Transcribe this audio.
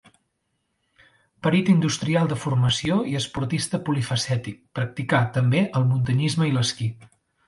Perit industrial de formació i esportista polifacètic, practicà també el muntanyisme i l'esquí.